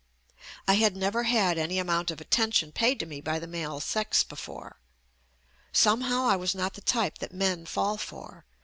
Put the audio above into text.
I had never had any amount of attention paid to me by the male sex before. Somehow I was not the type that men fall for.